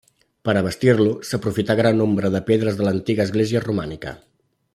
Per a bastir-lo, s'aprofità gran nombre de pedres de l'antiga església romànica.